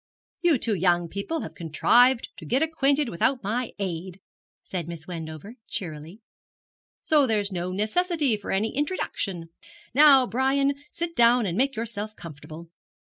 'You two young people have contrived to get acquainted without my aid,' said Miss Wendover, cheerily, 'so there's no necessity for any introduction. Now, Brian, sit down and make yourself comfortable.